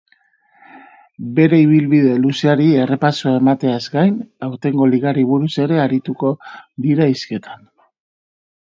Bere ibilbide luzeari errepasoa emateaz gain aurtengo ligari buruz ere arituko dira hizketan.